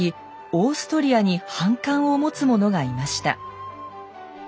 オーストリアに反感を持つ者がいました。